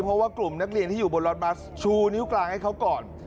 เพราะว่ากลุ่มนักเรียนที่อยู่บนรถบัสชูนิ้วกลางให้เขาก่อน